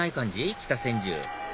北千住